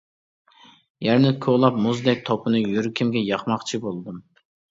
يەرنى كولاپ مۇزدەك توپىنى يۈرىكىمگە ياقماقچى بولدۇم.